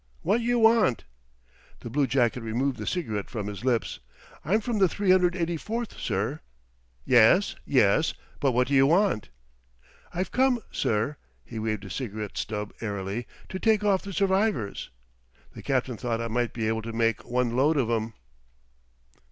"What you want?" The bluejacket removed the cigarette from his lips. "I'm from the 384, sir." "Yes, yes, but what do you want?" "I've come, sir" he waved his cigarette stub airily "to take off the survivors. The captain thought I might be able to make one load of 'em."